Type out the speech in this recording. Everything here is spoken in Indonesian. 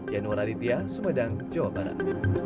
yanuar aditya sumedang jawa barat